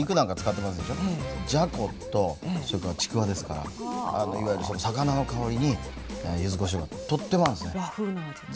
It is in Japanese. じゃことそれからちくわですからいわゆるその魚の香りに柚子こしょうがとっても合うんですね。